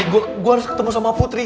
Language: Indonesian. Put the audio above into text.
gue harus ketemu sama putri